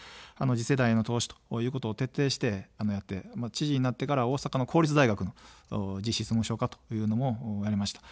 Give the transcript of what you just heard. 次世代への投資ということを徹底してやって、知事になってから大阪の公立大学も実質無償化というのもやりました。